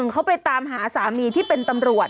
เขาไปตามหาสามีที่เป็นตำรวจ